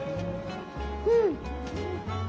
うん。